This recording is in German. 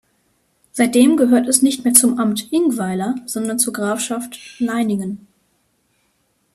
Seitdem gehörte es nicht mehr zum Amt Ingweiler, sondern zur Grafschaft Leiningen.